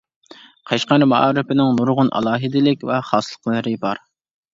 قەشقەر مائارىپىنىڭ نۇرغۇن ئالاھىدىلىك ۋە خاسلىقلىرى بار.